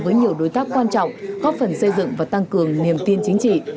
với nhiều đối tác quan trọng góp phần xây dựng và tăng cường niềm tin chính trị